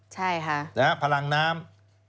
ใช่ค่ะ